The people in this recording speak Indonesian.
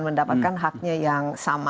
mendapatkan haknya yang sama